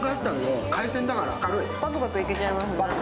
バクバクいけちゃいますね。